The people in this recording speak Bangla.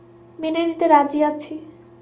মেনে নিতে রাজি আছি।